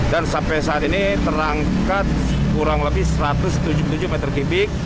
dan sampai saat ini terangkat kurang lebih satu ratus tujuh puluh tujuh meter kubik